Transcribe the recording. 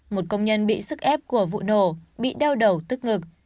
một công nhân bị sức ép của vụ nổ bị đau đầu tức ngực